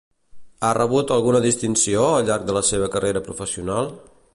Ha rebut alguna distinció, al llarg de la seva carrera professional?